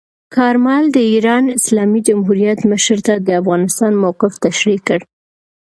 کارمل د ایران اسلامي جمهوریت مشر ته د افغانستان موقف تشریح کړ.